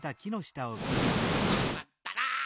ほぼきまったな。